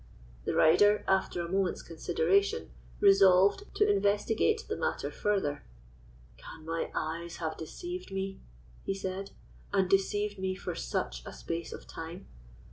The rider, after a moment's consideration, resolved to investigate the matter further. "Can my eyes have deceived me," he said, "and deceived me for such a space of time?